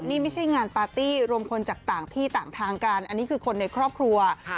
นี่ไม่ใช่งานปาร์ตี้รวมคนจากต่างที่ต่างทางกันอันนี้คือคนในครอบครัว